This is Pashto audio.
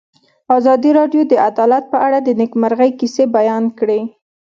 ازادي راډیو د عدالت په اړه د نېکمرغۍ کیسې بیان کړې.